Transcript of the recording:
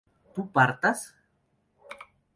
¿tú partas?